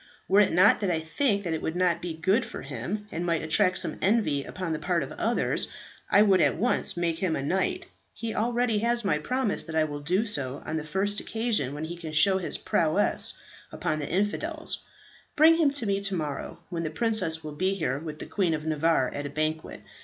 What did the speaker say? Were it not that I think that it would not be good for him, and might attract some envy upon the part of others, I would at once make him a knight. He already has my promise that I will do so on the first occasion when he can show his prowess upon the infidels. Bring him to me to morrow, when the princess will be here with the Queen of Navarre at a banquet.